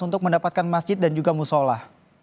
untuk mendapatkan masjid dan juga musola